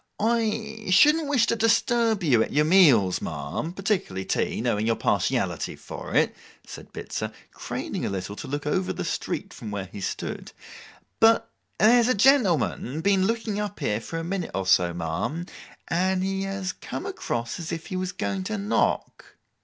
I shouldn't wish to disturb you at your meals, ma'am, particularly tea, knowing your partiality for it,' said Bitzer, craning a little to look over into the street from where he stood; 'but there's a gentleman been looking up here for a minute or so, ma'am, and he has come across as if he was going to knock.